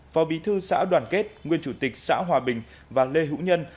phó bí thư xã đoàn kết nguyên chủ tịch xã hòa bình và lê hữu nhân